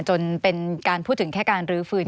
จนเป็นการพูดถึงแค่การฤษฎิ